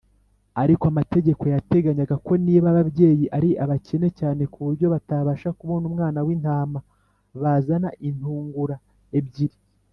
. Ariko amategeko yateganyaga ko niba ababyeyi ari abakene cyane, ku buryo batabasha kubona umwana w’intama, bazana intungura ebyiri